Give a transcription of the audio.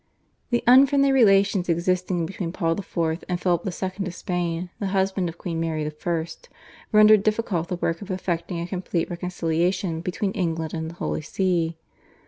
The unfriendly relations existing between Paul IV. and Philip II. of Spain, the husband of Queen Mary I., rendered difficult the work of effecting a complete reconciliation between England and the Holy See.